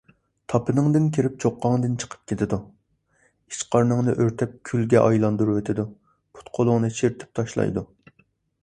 تاپىنىڭدىن كىرىپ چوققاڭدىن چىقىپ كېتىدۇ. ئىچ - قارنىڭنى ئۆرتەپ كۈلگە ئايلاندۇرۇۋېتىدۇ. پۇت - قولۇڭنى چىرىتىپ تاشلايدۇ.